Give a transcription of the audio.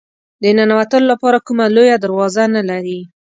د ننوتلو لپاره کومه لویه دروازه نه لري.